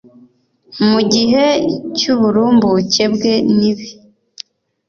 mugihe cyuburumbuke bwe nibi